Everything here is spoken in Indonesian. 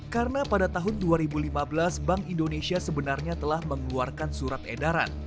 karena pada tahun dua ribu lima belas bank indonesia sebenarnya telah mengeluarkan surat edaran